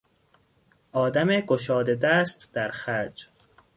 آدم گشاده دست در خرج